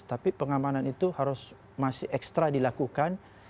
tapi pengamanan itu harus masih ekstra dilakukan